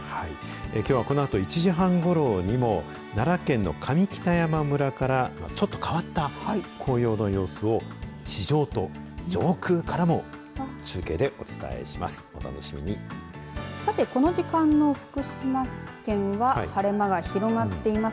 きょうは、このあと１時半ごろにも奈良県の上北山村からちょっと変わった紅葉の様子を地上と上空からも中継でお伝えします。